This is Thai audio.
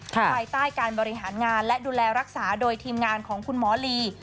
ภายใต้การบริหารงานและดูแลรักษาโดยทีมงานของคุณหมอลี